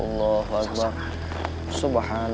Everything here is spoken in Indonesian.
baiklah ayass disparungkannya